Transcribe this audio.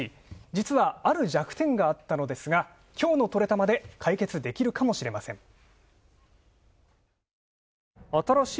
実はある弱点があったのですが、きょうのトレたまで解決できるかもしれません。